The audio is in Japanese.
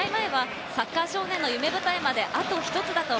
試合前はサッカー少年の夢舞台まであと一つだと。